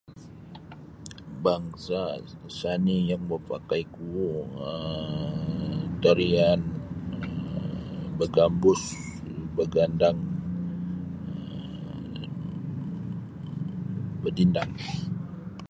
Bangsa sani yang mapakaiku um tarian bagambus bagandang um badindang.